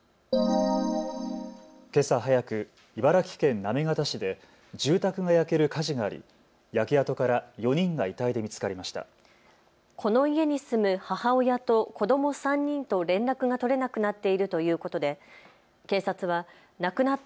けさ早く茨城県行方市で住宅が焼ける火事があり焼け跡から４人が遺体で見つかりました。